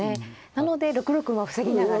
なので６六馬を防ぎながら。